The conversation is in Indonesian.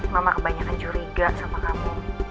mama kebanyakan curiga sama kamu